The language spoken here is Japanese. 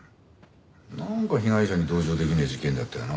なんか被害者に同情できねえ事件だったよな。